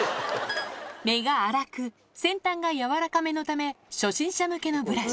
目が粗く、先端がやわらかめのため、初心者向けのブラシ。